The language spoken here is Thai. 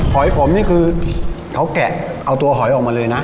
หอยผมนี่คือเขาแกะเอาตัวหอยออกมาเลยนะ